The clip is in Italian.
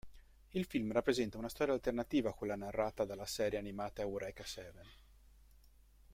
Il film rappresenta una storia alternativa a quella narrata dalla serie animata Eureka Seven.